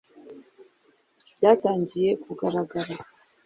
Byatangiye Kugaragara